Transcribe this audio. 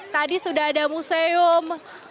tadi sudah ada museum